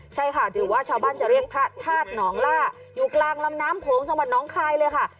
ใช่ค่ะหรือว่าชาวบ้านจะเรียกพระธาตุหนองล่าอยู่กลางลำน้ำโขงจังหวัดน้องคายเลยค่ะ